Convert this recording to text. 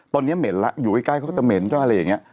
ตอนนี้เหม็นแล้วอยู่ใกล้เขาก็จะเหม็นก็อะไรอย่างนี้